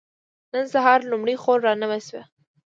نن سهار لومړۍ خور را نوې شوه.